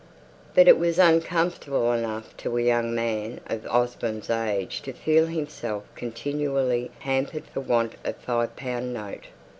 But it was uncomfortable enough to a young man of Osborne's age to feel himself continually hampered for want of a five pound note.